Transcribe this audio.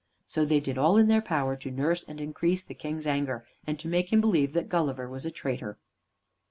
So they did all in their power to nurse and increase the King's anger, and to make him believe that Gulliver was a traitor.